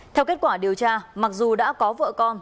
theo kết quả điều tra mặc dù đã có vợ con